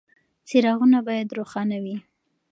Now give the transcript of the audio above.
څراغونه باید روښانه وي.